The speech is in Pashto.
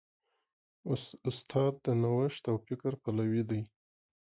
استاد د نوښت او فکر پلوی دی.